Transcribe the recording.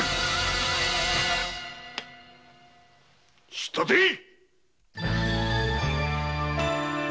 引っ立てい！